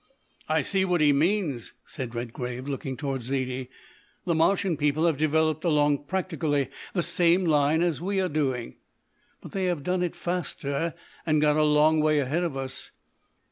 "I see what he means," said Redgrave, looking towards Zaidie. "The Martian people have developed along practically the same lines as we are doing, but they have done it faster and got a long way ahead of us.